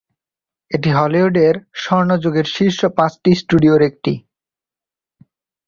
এটি হলিউডের স্বর্ণযুগের শীর্ষ পাঁচটি স্টুডিওর একটি।